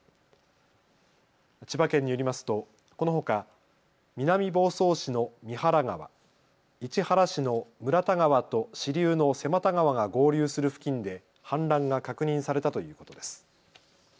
千葉県によりますとこのほか南房総市の三原川、市原市の村田川と支流の瀬又川が合流する付近で氾濫が確認されたということです。